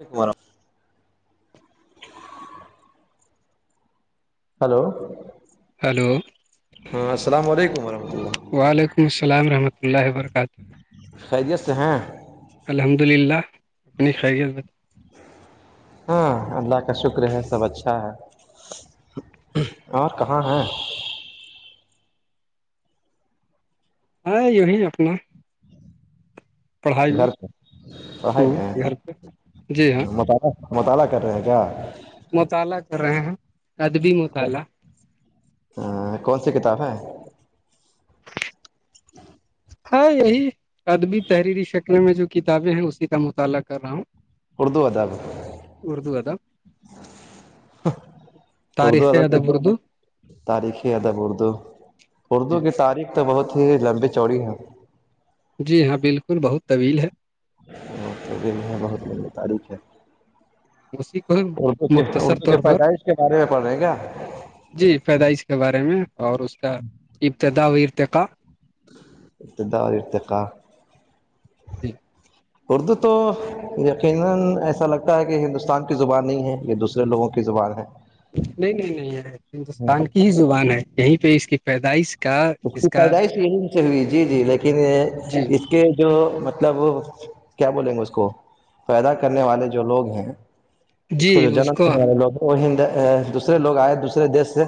ایک بار hello hello [inaudible] وعلیکم السلام رحمۃہ اللہ و برکاتہ خیریت سے ہیں الحمد للہ اپنی خیریت ب ہاں اللہ کا شکر ہے سب اچھا ہے اور کہاں ہیں ہ ییں اپنا پڑھائی میں گھر پہ پڑھائی ہوں میں ہیں؟ گھر پہ جی ہاں مطالعہ مطالعہ کر رہے ہیں کیا مطالعہ کر رہے ہیں ادب مسال اللہ ہ کون سی کتاب ہے ہاں یہی ادبی تحریری شکل میں جو کتابیں ہیں اسی کا مطالعہ کر رہا ہوں اردو ادب اردو ا تھاا اردو تاریخ ادب کی ادبرد تاریخی ادب اردو اردو جی کی تاریخ تو بہت ہی لمبی چوڑی ہے جی ہاں بالکل بہت طویل ہے تو بھی ہے بہت مہنگی تاریخ ہے مش اردو کے اردو کی پیدائش کے بارے میں پڑھ رہے کیا جی پیدائش کے بارے میں اور اس کا ابتدا و ارتقا اتد ارتے کا جی [unintelligible] لوگوں کی زبان ہے نہیں نہیں نہیں ہاں ہندوستان کی ہی زبان ہے یہیں پہ اس کی پیدائش کا اس کی کا پیدائش یہ ان سے ہوئی جی جی لیکن جی اس کہ جو مطلب کیا بولیں گے اس کو پیدا کرنے والے جو لوگ ہیں اس کو جو جنم د لوگ وہ دوسر لوگ آئے دوسرے دیش سے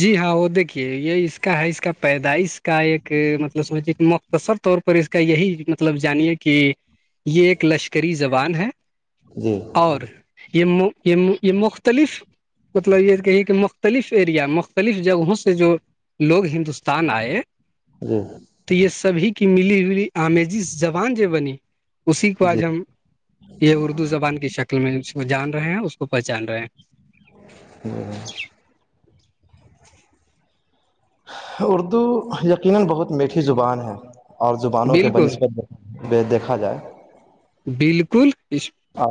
جی ہاں وہ دیکھیے یہ اس کا ہے اس کا پیدائش کا ایک مطلب سمجے کہ مختصر طور پر پر اس کا یہی مطلب جانیے کہ یہ ایک لشکری زبان ہے جی اور یہ یہ یہ مختلف مطلب یہ کہی کہ مختلف یا مختلف جگہوں سے جو لوگ ہندوستان آئے جی تو یہ سبھی کی ملی جلی آمیزی زبان جو بنی اسی کو جی آج ہم یہ اردو زبان کی شکل میں کو جان رہے ہیں اس کو پہچان رہے ہیں [inaudible] اردو یقینا بہت میٹھی زبان ہے اور زبانوں کے بالکل بہنسبت دیکھا جائے بالکل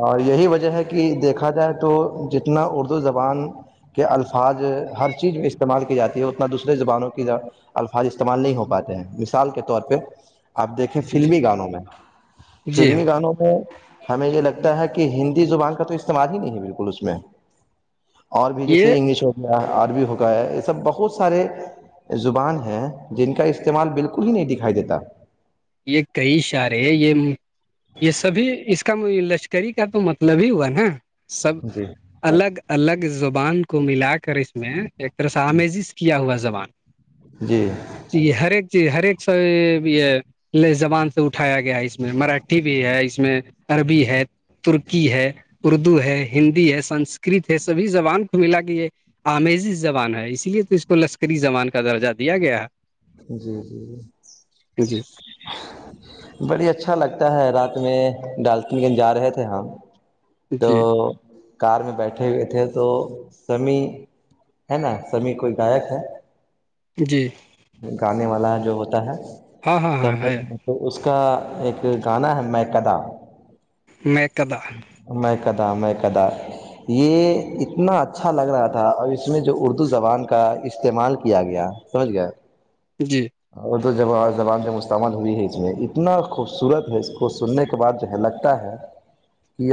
اور یہی وجہ ہے کہ دیکھا جائے تو جتنا اردو زبان کہ الفاظ ہر چیز میں استعمال کی جاتی ہے اتنا دوسرے زبانوں کی الفاظ استعمال نہیں ہو پاتے ہیں مثال کے طور پہ آپ دیکھیں فلمی گانوں میں جی ہاں فلمی گانوں میں ہمیں یہ لگتا ہے کہ ہندی زبان کا تو استعمال ہی نہیں ہے بالکل اس میں اور بھی یہ جیسے انگلش ہوتی آر بھی ہوک ہے یہ سب بہت سارے زبان ہیں جن کا استعمال بالکل ہی نہیں دکھائی دیتا یہ کئی اشارے یہ یہ سبھی اس کا لشکر کرری کا تو مطلب ہی ہوا نا سب جی الگ الگ زبان کو ملا کر اس میں ایک رس آمیزز کیا ہوا زبان جی جی ہر ایک چیز ہر ایک سا یہ زبان سے اٹھایا گیا ہے اس میں مراٹھی بھی ہے اس میں عربی ہے ترکی ہے اردو ہے ہندی ہے سنسکرت ہے سبھی زبان کو ملا ہے آمیزز زبان ہے اسی لیے تو اس کو لشکری زبان کا درجہ دیا گیا ہے جی جی جی جی بڑی اچھا لگتا ہے رات میں ڈالٹنیکن جا رہے تھے ہم تو جی کار میں بیٹھے ہوئے تھے تو سمیع ہے نا سمیع کوئی گائک ہے جی گانے والا جو ہوتا ہے ہاں ہاں ہاں ہے تو اس کا ایک گانا ہے میں کدا میں قدا میں کدا میں کدا یہ اتنا اچھا لگ رہا تھا اور اس میں جو اردو زبان کا استعمال کیا گیا سہج گار جی اور تو جب آ زبان جب مستتعمل ہوئی ہے اس میں اتنا خوبصورت ہے اس کو سننے کے بعد جو ہے لگتا ہے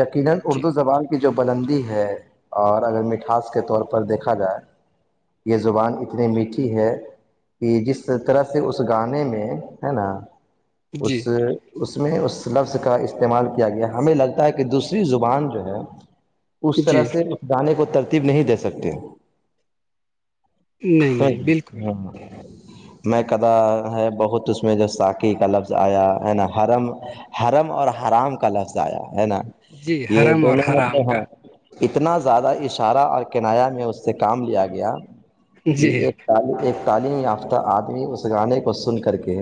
یقینا جی اردو زبان کی جو بلندی ہے اور اگر مٹھاس کے طور پر دیکھا جائے یہ زبان اتنی میٹھی ہے کہ جس اس طرح سے اس گانے میں ہے نا اس جی اس میں اس لفظ کا استعمال کیا گیا ہمیں لگتا ہے کہ دوسری زبان جو ہے اس طرح جی سے اس گانے کو ترتیب نہیں دے سکتے نہیں ہاں نہیں بالکل ہاں میں کدا ہے بہت اس میں جو ساکی کا لفظ آیا ہے نا حرم حرم اور حرام کا لفظ آیا ہے نا جی یہ حرم اور دونوں حرام مطلب کا ہیں اتنا زیادہ اشارہ اور کنایا میں اس سے کام لیا گیا کہ جی ایک ایک تعلیم یافتہ آدمی اس گانے کو سن کر کے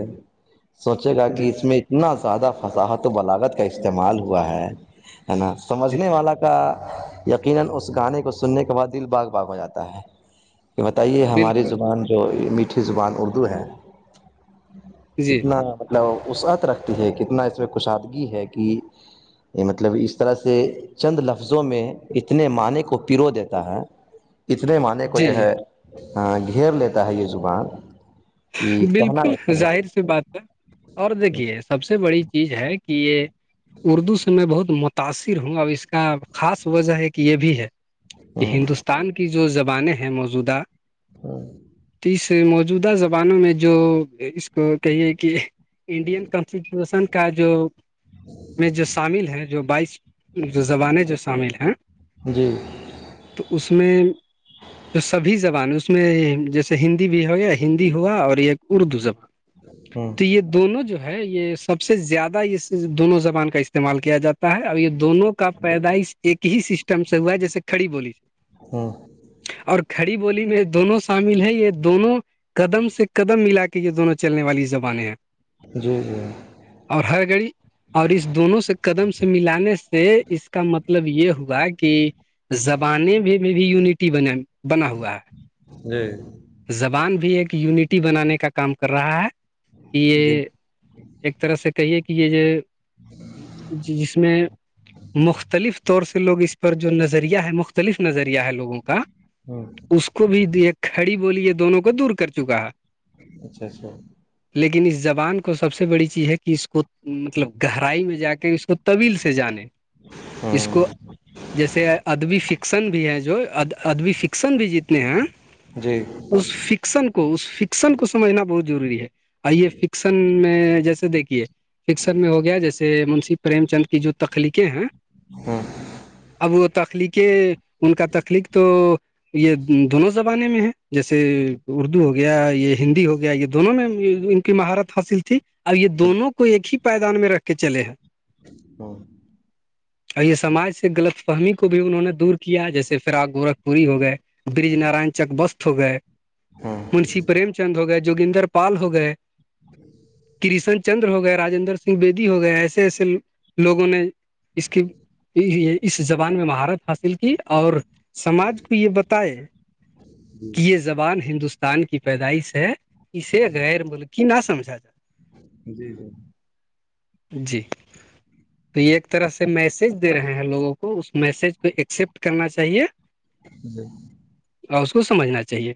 سوچے گا کہ جی اس میں اتنا زیادہ فضاحت و بلاغت کا استعمال ہوا ہے ہے نا جی سمجھنے والا کا یقینا اس گانے کو سننے کے بعد دل باغ باغ ہو جاتا ہے کہ بتائیے ہماری بالکل زبان جو میٹھی زبان اردو ہے جی کتنا مطلب وسعت رکھتی ہے کتنا اس میں کشادگی ہے کہ یہ مطلب اس طرح سے چند لفظوں میں اتنے معنی کو پیرو دیتا ہے اتنے معنی کو جی جو جی ہے گھیر لیتا ہے یہ زبان کہ کہنا بالکل نہیں ظاہر سی بات ہے اور دیکھیے سب سے بڑی چیز ہے کہ یہ اردو سے میں بہت متاثر ہوں اب اس کا خاص وجہ ہے کہ یہ بھی ہے کہ ہے ہندوستان کی جو زبانیں ہیں موجودہ ہوں موجودہ زمانوں میں جو اس کو کہیے کہ انڈین کانسٹیٹیوشن کا جو میں جو شامل ہے جو بائیس جو زبانیں جو شامل ہیں جی تو اس میں تو سبھی زبانیں اس میں جیسے ہندی بھی ہو گیا ہندی ہوا اور ایک اردو زبان ہوں تو یہ دونوں جو ہے یہ سب سے زیادہ یہ دونوں زبان کا استعمال کیا جاتا ہے اور یہ دونوں کا پیدائش ایک ہی سسٹم سے ہوا ہے جیسے کھڑی بولی ہوں اور کھڑی بولی میں دونوں شامل ہے یہ دونوں قدم سے قدم ملا کے یہ دونوں چلنے والی زبانیں ہیں جی جی اور ہر گھڑی اور اس دونوں سے قدم سے ملانے سے اس کا مطلب یہ ہوا کہ زبانے میں میں بھی یونٹی ب بنا ہوا ہے زبان بھی ایک یونٹی بنانے کا کام کر رہا ہے کہ یہ ایک طرح سے کہیے کہ یہ جو جس میں مختلف طور سے لوگ اس پر جو نظریہ ہے مختلف نظریہ ہے لوگوں کا ہوں اس کو بھی ایک کھڑی بولی یہ دونوں کو دور کر چکا ہے اچھا اچھا لیکن اس زبان کو سب سے بڑی چیز ہے کہ اس کو مطلب گہرائی میں جا کے اس کو طویل سے جانے ہوں اس کو جیسے ادبی فکسن بھی ہے جو ا ادبی فکشن ایکسن بھی جیتنے ہیں جی اس فکشن کو اس فکشن کو سمجھنا بہت ضروری ہے آئیے فکشن میں جیسے دیکھیے فکسن میں ہو گیا جیسے منشی پریم چند کی جو تخلیقیں ہیں اب وہ تخلیقیں ان کا تخلیق تو یہ دونوں زبانے میں ہے جیسے اردو ہوگیا یہ ہندی ہو گیا یہ دونوں میں ان کی مہارت حاصل تھی اب یہ دونوں کو ایک ہی پائیدان میں رکھ کے چلے ہیں ہاں اور یہ سماج سے غلط فہمی کو بھی انہوں نے دور کیا جیسے فرا گورکھپوری ہو گئے برج نارائن چک بست ہو گئے ہاں منشی پریم چند ہو گئے جوگدر پال ہو گئے کرشن چندر ہو گئے رجیندر سنگھ بییدی ہو گئے ایسے ایسے لوگوں نے اس کی اس زبان میں مہارت حاصل کی اور سماج کو یہ بتائے کہ یہ زبان ہندوستان کی پیدائش ہے اسے غیر مول کی نہ سمجھا جا جی جی جی تو یہ ایک طرح سے میسج دے رہے ہیں لوگوں کو اس میسج کو ایکسپٹ کرنا چاہیے جی اور اس کو سمجھنا چاہیے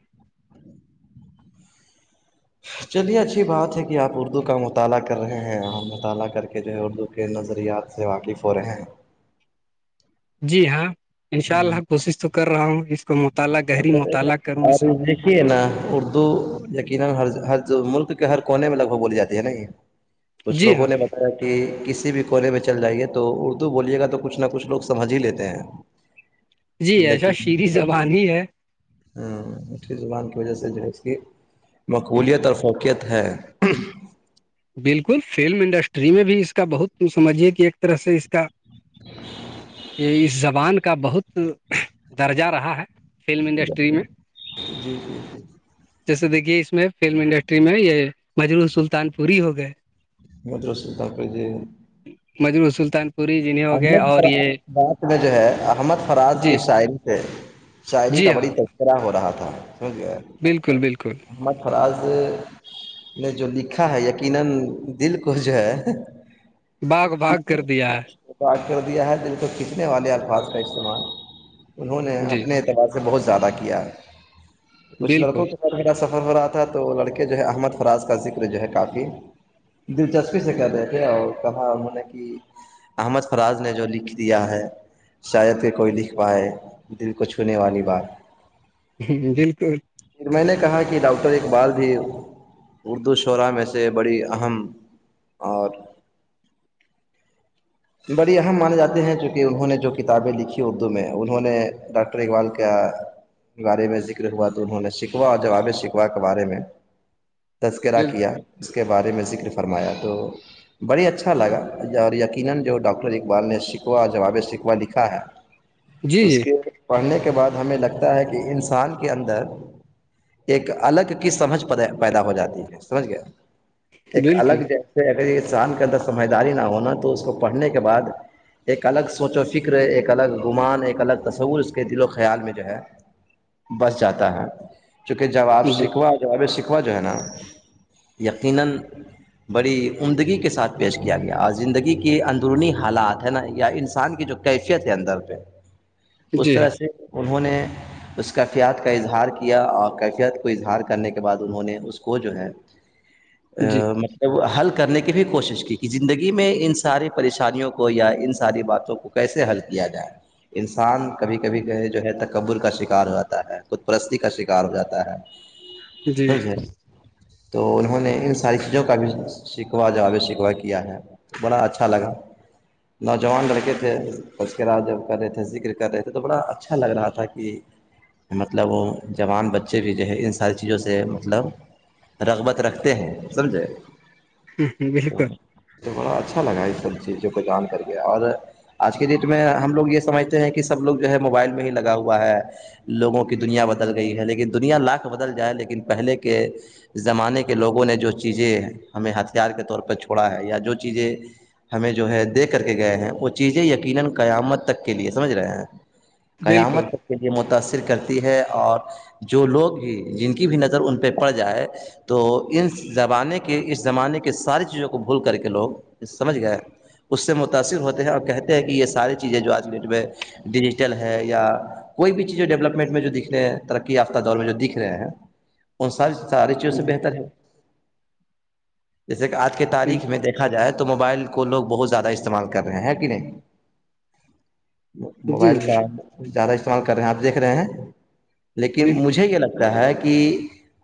چلیے اچھی بات ہے کہ آپ اردو کا مطالعہ کر رہے ہیں اور مطالعہ کر کے جو ہے اردو کے نظریات سے واقف ہو رہے ہیں جی ہاں انشاء اللہ کوشش تو کر رہا ہوں اس کو میں ج ہے نا اردو یقینا ہر ہر جو ملک کے ہر کونے میں لگ بھگ بولی جاتی ہے نا یہ کچھ جی لوگوں ہاں نے ب کہ کسی بھی کونے میں چل جائیے تو اردو بولیے گا تو کچھ نہ کچھ لوگ سمجھ ہی لیتے ہیں ہاں جی ایسا شیریں زبان ہی ہے ہاں مھی زبان کی وجہ سے جو ہے اس کی مقبولیت اور فوکیت ہے بالکل فلم انڈسٹری میں بھی اس کا بہت ت سمجھیے کہ ایک طرح سے اس کا یہ اس زبان کا بہت درجہ رہا ہے فلم انڈسٹری میں جی جی جی جیسے دیکھیے اس میں فلم انڈسٹری میں یہ مجرور سلطان پوری ہو گئے مدرستا کو دی مج سلطان پوری جنہیں ہو گئے احمد اور فراز یہ رات میں جو ہے احمد فراز جی کی شاعری سے شاعری کا جی ہاں بڑی تذکرہ ہو رہا تھا سمجھ گیا بالکل بالکل محمد فراز میں جو لکھا ہے یقینا دل کو جو ہے باغ تو باغ کر دیا ہے یک کر دیا ہے دن کو کچنے والے الفاظ کا استعمال انہوں نے جی اپنے اعتبار بہت زیادہ کیا ہے کچھ بالکل لڑکوں کو میرا سفر ہو رہا تھا تو لڑکے جو ہے احمد فراز کا ذکر جو ہے کافی دلچسپی سے کر رہ تھے اور کہاں نے کہ احمد فراز نے جو لکھ دیا ہے شاید پ کوئی لکھ پائے دل کو چھونے والی بات ہ بالکل پھر میں نے کہا کہ ڈاکٹر ایک بار بھی اردو شعرا میں سے بڑی اہم اور بڑی اہم مانے جاتے ہیں چونکہ انہوں نے جو کتابیں لکھی اردو میں انہوں نے ڈاکٹر اقبال کا بارے میں ذکر ہوا تو انہوں نے سیککھوا اور ج آبے سیکھوا کے بارے میں تذکرہ کیا بالکل اس کے بارے میں ذکر فرمایا تو بڑی اچھا لگا اور جو ڈاکٹر اقبال نے سکھوا جواب سکھوا لکھا ہے جی اس جی کے پڑھنے کے بعد ہمیں لگتا ہے کہ انسان کے اندر ایک الگ کی سمجھ پیدا ہو جاتی ہے سمجھ گیا ایک الگ بالکل جیسے اگر انسان کے اندر سمجھداری نہ ہونا تو اس کو پڑھنے کے بعد ایک الگ سوچ و فکر ایک الگ گمان ایک الگ تصور اس کے دل و خیال میں جو ہے بس جاتا ہے چونکہ جب آپ جی سیککھوا جواب سیککھوا جو ہے نا یقینا بڑی عمدگی کے ساتھ پیش کیا گیا اور زندگی یہ اندرونی حالات ہے نا یا انسان کی جو کیفیت ہے اندر پہ اس جی ہاں طرح سے انہوں نے اس کیفیات کا اظہار کیا اور کیفیات کو اظہار کرنے کے بعد انہوں نے اس کو جو ہے جی مطلب حل کرنے کی بھی کوشش کی کہ زندگی میں انسب ساری پریشانیوں کو یا ان ساری باتوں کو کیسے حل کیا جائے انسان کبھی کبھی جو ہے تکبر کا شکار ہو جاتا ہے خود پرستی کا شکار ہو جاتا ہے جی سج ہے تو انہوں نے ان ساری چیزوں کا بھی سکھوا جواب سخوا کیا ہے تو بڑا اچھا اچھا لگا نوجوان لڑکے تھے تذکرا جب کر رہے تھے ذکر کر رہے تھے تو بڑا اچھا لگ رہا تھا کہ مطلب وہ جوان بچے بھی جو ہے ان ساری چیزوں سے مطلب رغبت رکھتے ہیں سمجھے بالکل بڑا اچھا اچھا لگا اس سب چیزوں کو جان کر کے اور آج کے ڈیٹ میں ہم لوگ یہ سمجھتے ہیں کہ سب لوگ جو ہے موبائل میں ہی لگا ہوا ہے لوگوں کی دنیا بدل گئی ہے لیکن دنیا لاکھ بدل جائے لیکن پہلے کے زمانے کے لوگوں نے جو چیزیں ہمیں ہتھیار کے طور پہ چھوڑا ہے یا جو چیزیں ہمیں جو ہے دےھ کر کے گئے ہی قیامت بالکل کے لیے متاثر کرتی ہے اور جو لوگ بھی جن کی بھی نظر ان پہ پڑ جائے تو ان زبانے کے اس زمانے کے ساری چیزوں کو بھول کر کے لوگ سمجھ گئے اس سے متاثر ہوتے ہیں اور کہتے ہیں کہ یہ ساری چیزیں جو آج ڈیٹ پہ ڈیجیٹل ہے یا کوئی بھی چیز جو ڈیولپمنٹ میں جو دکھ رہے ہیں ترقی فہ دور میں جو دکھ رہے ہیں ان ساری ساری چیزوں سے جی بہتر ہے جیسے کہ آج کی تاریخ بالکل میں دیکھا جائے تو تو موبائل کو لوگ بہت زیادہ استعمال کر رہے ہیں کہ نہیں جی موبائل جی کا زیادہ استعمال کر رہے ہیں آپ دیکھ رہے ہیں لیکن بالکل مجھے یہ لگتا کہ ہے کہ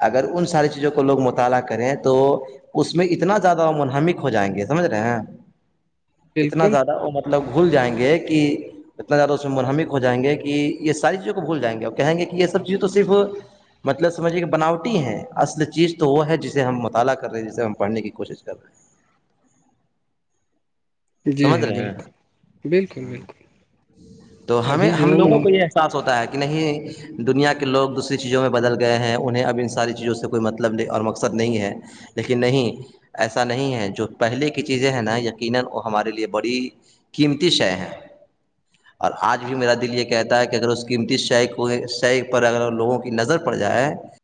اگر ان ساری چیزوں کو لوگ مطالعہ کریں تو اس میں اتنا زیادہ منہمک ہو جائیں گے سمجھ رہے ہیں اتنا بالکل زیادہ وہ مطلب گھول جائیں گے کہ ات زیادہ اس میں منہمک ہوائ گے کہ یہ ساری چیزوں کو بھول جائیں گے اور کہیں گے کہ یہ سب چیزیں تو صرف مطلب سمجھے کہ بناوٹی ہیں اصل چیز تو وہ ہے جسے ہم مطالعہ کر رہے ہیں جسے ہم پڑھنے کی کوشش کر رہے ہیں جی سمجھ ہاں رہے بالکل بالکل ہیں بالکل تو ہمیں ابھی ہم لوگوں جو کو یہ خاس ہوتا ہے کہ نہیں دنیا کے لوگ دوسری چیزوں میں بدل گئے ہیں انہیں اب ان ساری چیزوں سے کوئی مطلب نہیں اور مقصد نہیں ہے لیکن نہیں ایسا نہیں ہے جو پہلے کی چیزیں ہیں نا یقینا ہمارے لیے بڑی قیمتی شے ہے اور آج بھی میرا دل یہ کہتا ہے کہ اگر اس قیمتی شے کو شے پر اگر لوگوں کی نظر پڑ جائے